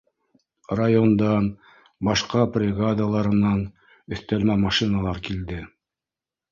Райондан, башҡа бригадалары нан, өҫтәлмә машиналар килде